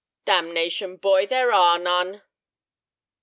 "Damnation, boy, there are none!"